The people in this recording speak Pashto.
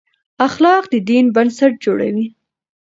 اخلاق د دین بنسټ جوړوي.